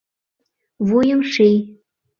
Вуйым ший